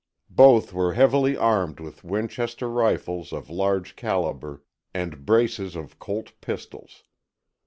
Both were heavily armed with Winchester rifles of large calibre and braces of Colt pistols.